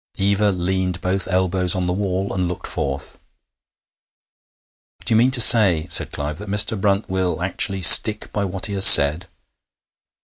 Eva leaned both elbows on the wall and looked forth. 'Do you mean to say,' said Clive, 'that Mr. Brunt will actually stick by what he has said?'